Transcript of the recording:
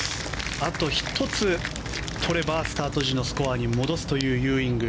あと１つとればスタート時のスコアに戻すというユーイング。